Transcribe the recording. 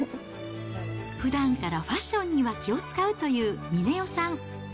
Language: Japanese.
ふだんからファッションには気を遣うという峰代さん。